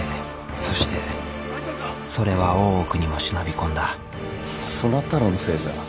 そしてそれは大奥にも忍び込んだそなたらのせいじゃ！